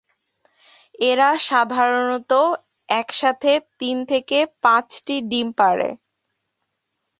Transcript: এরা সাধারণত একসাথে তিন থেকে পাঁচটি ডিম পাড়ে।